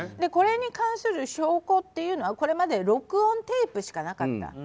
これに関する証拠というのはこれまで録音テープしかなかった。